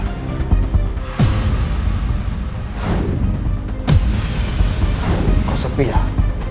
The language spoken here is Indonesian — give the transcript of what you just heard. aku mau ke rumah